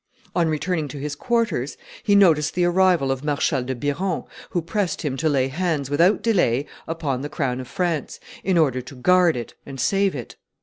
On returning to his quarters, he noticed the arrival of Marshal de Biron, who pressed him to lay hands without delay upon the crown of France, in order to guard it and save it.